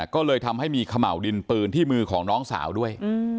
ก็เลยทำให้มีเขม่าวดินปืนที่มือของน้องสาวด้วย